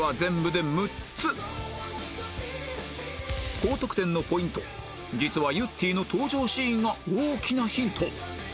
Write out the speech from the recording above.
高得点のポイント実はゆってぃの登場シーンが大きなヒント